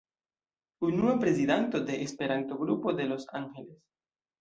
Unua prezidanto de Esperanto-Grupo de Los Angeles.